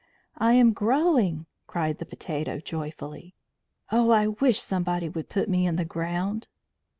"I am growing!" cried the potato joyfully. "Oh, I wish somebody would put me in the ground."